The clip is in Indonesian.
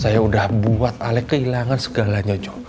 saya udah buat alex kehilangan segalanya